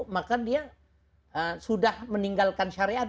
maka dia sudah meninggalkan syariat